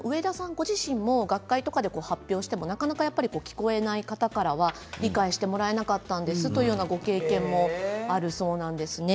ご自身も学会で発表しても聞こえない方からは理解してもらえなかったんですというご経験もあるそうなんですね。